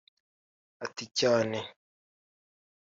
Ati cyane